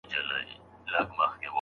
آیا سګرټ تر چلم ډېر تاواني دي؟